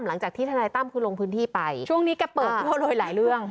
หลังจากที่ทนายตั้มคือลงพื้นที่ไปช่วงนี้แกเปิดทั่วเลยหลายเรื่อง